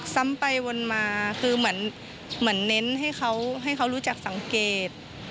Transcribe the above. ซ้ำไปวนมาคือเหมือนเน้นให้เขารู้จักสังเกต